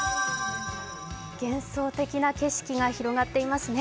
幻想的な景色が広がっていますね。